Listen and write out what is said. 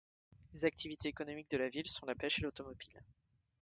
Les activités économiques de la ville sont la pêche et l'automobile.